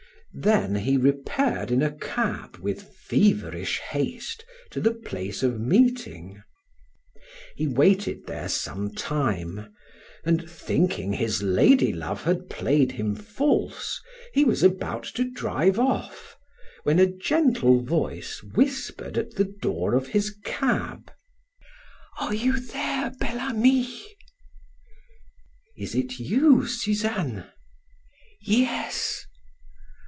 Then he repaired in a cab with feverish haste to the place of meeting. He waited there some time, and thinking his ladylove had played him false, he was about to drive off, when a gentle voice whispered at the door of his cab: "Are you there, Bel Ami?" "Is it you, Suzanne?" "Yes."